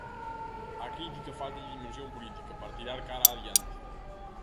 Á crítica fáltalle dimensión política para tirar cara a adiante.